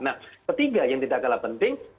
nah ketiga yang tidak kalah penting